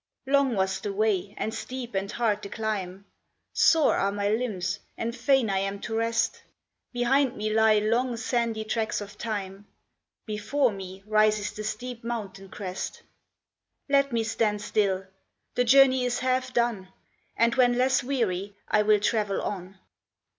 Long was the way, and steep and hard the climb ; Sore are my limbs, and fain I am to rest. Behind me lie long sandy tracks of time ; Before me rises the steep mountain crest. Let me stand still ; the journey is half done, And when less weary I will travel on.